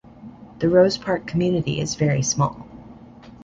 The Rose Park community is very small.